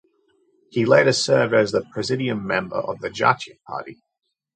He later served as the Presidium Member of Jatiya Party.